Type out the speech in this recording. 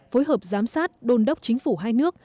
phối hợp giám sát đôn đốc chính phủ hai nước